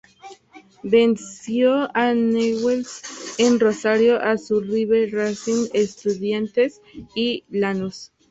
Venció a Newells en Rosario, a River, Racing, Estudiantes y Lanús.